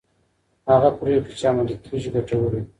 هغه پريکړي چي عملي کيږي ګټوري دي.